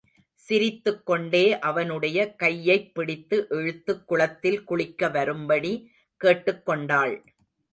சிரித்துக்கொண்டே, அவனுடைய கையைப்பிடித்து இழுத்துக் குளத்தில் குளிக்க வரும்படி கேட்டுக் கொண்டாள்.